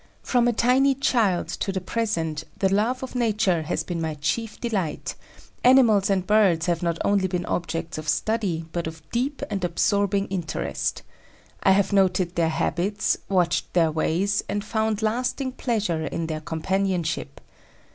From a tiny child to the present, the love of Nature has been my chief delight; animals and birds have not only been objects of study, but of deep and absorbing interest. I have noted their habits, watched their ways, and found lasting pleasure in their companionship.